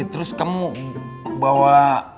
terus kamu bawa